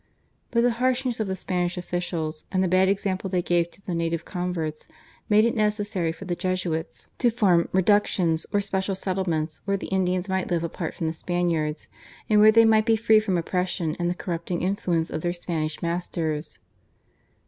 But the harshness of the Spanish officials, and the bad example they gave to the native converts, made it necessary for the Jesuits to form "Reductions" or special settlements, where the Indians might live apart from the Spaniards, and where they might be free from oppression and the corrupting influence of their Spanish masters.